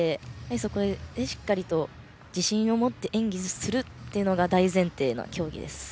そこでしっかりと自信を持って演技をするのが大前提の競技です。